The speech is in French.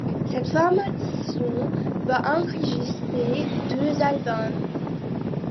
Cette formation va enregistrer deux albums.